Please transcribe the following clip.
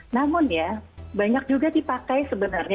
namun ya banyak juga dipakai sebenarnya